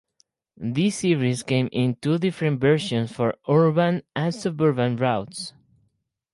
This series came in two different versions for urban and suburban routes.